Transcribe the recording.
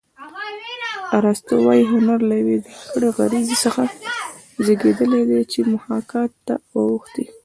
ارستو وايي هنر له یوې ځانګړې غریزې څخه زېږېدلی چې محاکات ته اوښتې